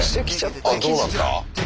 あどうなった？